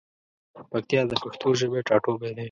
پکتیا د پښتو ژبی ټاټوبی دی.